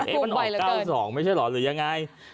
มันออก๙๒ไม่ใช่เหรอหรือยังไง